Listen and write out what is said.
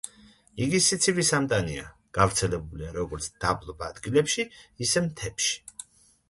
იგი სიცივის ამტანია, გავრცელებულია როგორც დაბლობ ადგილებში ისე მთებში.